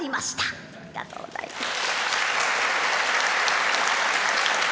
ありがとうございます。